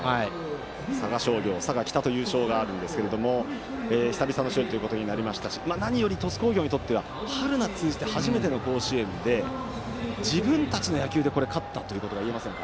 佐賀商業、佐賀北と優勝があったんですけれども久々の勝利となりましたし何より鳥栖工業にとっては春夏通じて初めての甲子園で自分たちの野球で勝ったということがいえませんか。